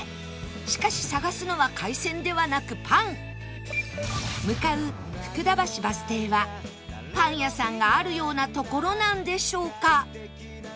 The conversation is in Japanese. しかし探すのは海鮮ではなくパン向かう福田橋バス停はパン屋さんがあるような所なんでしょうか？